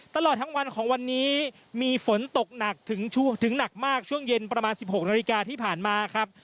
ตลอดทั้งวันของวันนี้มีฝนตกหนักถึงหนักมากช่วงเย็นประมาณ๑๖นาฬิกาที่ผ่านมาครับ